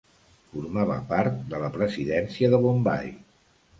Formava part de la presidència de Bombai.